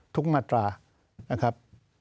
มาตรานะครับ